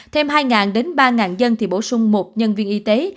thêm hai đến ba dân thì bổ sung một nhân viên y tế